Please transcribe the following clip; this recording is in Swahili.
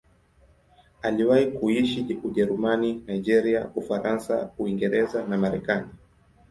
Aliwahi kuishi Ujerumani, Nigeria, Ufaransa, Uingereza na Marekani.